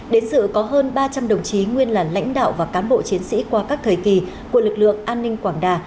đến sự có hơn ba trăm linh đồng chí nguyên là lãnh đạo và cán bộ chiến sĩ qua các thời kỳ của lực lượng an ninh quảng đà